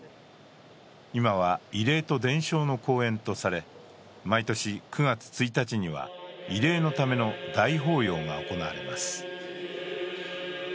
今は慰霊と伝承の公園とされ毎年９月１日は、慰霊のための大法要が行われます。